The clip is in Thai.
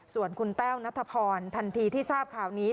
ส่วนคุณแต้วนัทพรทันทีที่ทราบข่าวนี้